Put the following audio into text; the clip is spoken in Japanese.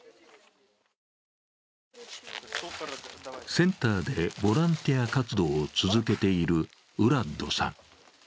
センターでボランティア活動を続けているウラッドさん。